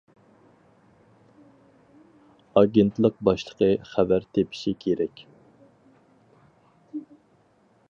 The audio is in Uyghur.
ئاگېنتلىق باشلىقى -خەۋەر تېپىشى كېرەك.